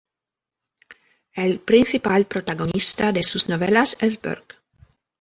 El principal protagonista de sus novelas es Burke.